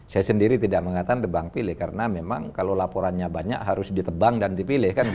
saya sendiri tidak mengatakan tebang pilih karena memang kalau laporannya banyak harus ditebang dan dipilih